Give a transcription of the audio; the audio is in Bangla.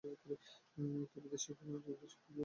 তবে দেশের নারী ফুটবল দেশের ফিফা সমন্বিত গোল!